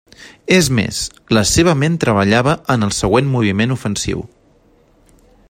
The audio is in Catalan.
És més, la seva ment treballava en el següent moviment ofensiu.